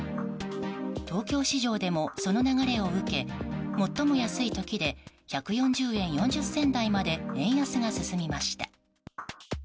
東京市場でもその流れを受け最も安い時で１４０円４０銭台まで円安が進みました。